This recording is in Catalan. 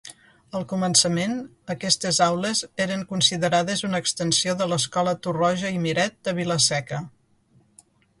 Al començament, aquestes aules eren considerades una extensió de l'escola Torroja i Miret de Vila-Seca.